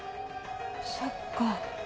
そっか。